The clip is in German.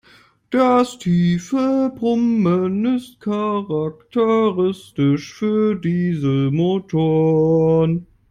Das tiefe Brummen ist charakteristisch für Dieselmotoren.